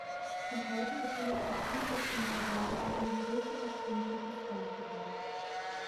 Noch heute befindet sich südlich von Chadera ein größeres sumpfiges Waldgebiet.